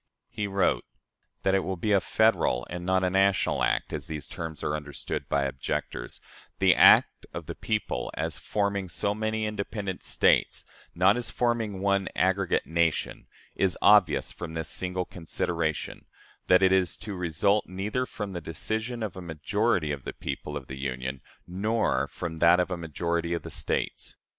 He wrote: "That it will be a federal and not a national act, as these terms are understood by objectors the act of the people, as forming so many independent States, not as forming one aggregate nation is obvious from this single consideration, that it is to result neither from the decision of a majority of the people of the Union nor from that of a majority of the States.